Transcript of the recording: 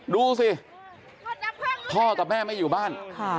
ดูสิพ่อกับแม่ไม่อยู่บ้าน